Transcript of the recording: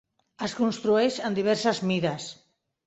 Es construeix en diverses mides.